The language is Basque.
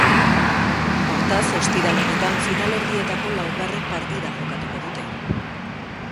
Hortaz, ostiral honetan, finalerdietako laugarren partida jokatuko dute.